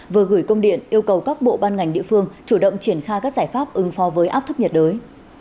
vừa gửi công điện yêu cầu các bộ ban ngành địa phương chủ động triển khai các giải pháp ứng phó với áp thấp nhiệt đới